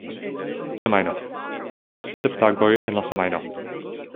Semajno: estas sep tagoj en la semajno.